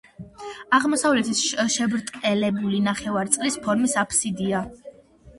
აღმოსავლეთით შებრტყელებული ნახევარწრის ფორმის აფსიდია.